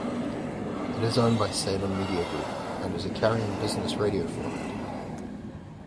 It is owned by Salem Media Group, and is carrying a business radio format.